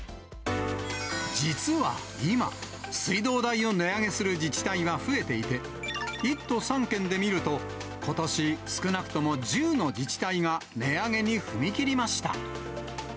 実は今、水道代を値上げする自治体は増えていて、１都３県で見ると、ことし、少なくとも１０の自治体が値上げに踏み切りました。